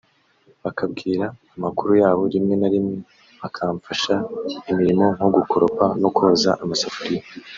bakambwira amakuru yabo rimwe na rimwe bakamfasha imirimo nko gukoropa no koza amasafuriya